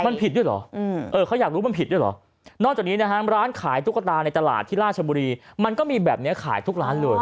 มันผิดด้วยเหรอเขาอยากรู้มันผิดด้วยเหรอนอกจากนี้นะฮะร้านขายตุ๊กตาในตลาดที่ราชบุรีมันก็มีแบบนี้ขายทุกร้านเลย